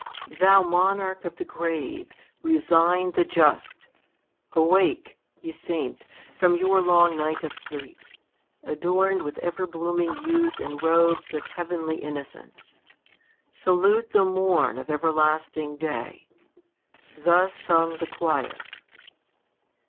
*' Thou monarch of the grave, resign the just ! Awake ! ye saints, from your long night of sleep, Adorn'd with ever blooming youth and robes Of heavenly innocence. Salute the morn Of everlasting day." Thus sung the choir.